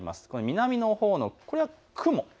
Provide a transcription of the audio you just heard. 南のほうのこれは雲。